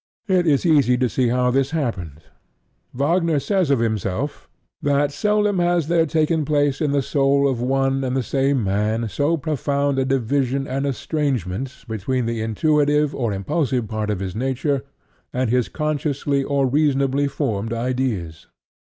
It is easy to see how this happened. Wagner says of himself that "seldom has there taken place in the soul of one and the same man so profound a division and estrangement between the intuitive or impulsive part of his nature and his consciously or reasonably formed ideas."